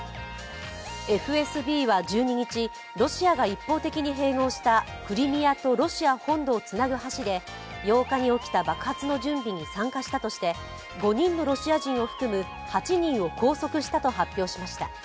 ＦＳＢは１２日、ロシアが一方的に併合したクリミアとロシア本土をつなぐ橋で８日に起きた爆発の準備に参加したとして５人のロシア人を含む８人を拘束したと発表しました。